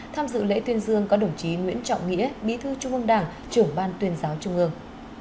tham dự lễ tuyên dương có đồng chí nguyễn trọng nghĩa bí thư trung ương đảng trưởng ban tuyên giáo trung ương